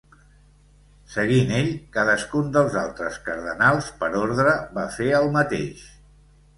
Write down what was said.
Seguint ell, cadascun dels altres cardenals, per ordre, va fer el mateix.